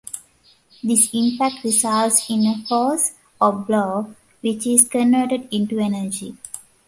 This impact results in a force, or blow, which is converted into energy.